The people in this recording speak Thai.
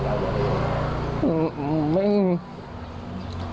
ถ้าเข้ามามองส่วนรายละเอียดให้ดี